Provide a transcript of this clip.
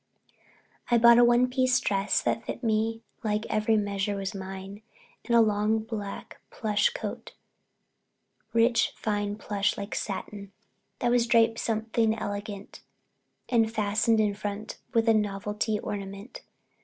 I bought a one piece silk dress that fitted me like every measure was mine and a long black plush coat, rich fine plush like satin, that was draped something elegant and fastened in front with a novelty ornament.